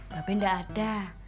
babe enggak ada